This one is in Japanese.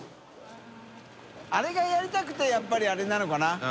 △譴やりたくてやっぱりあれなのかな？